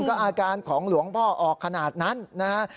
ก็อาการของหลวงพ่อออกขนาดนั้นนะฮะ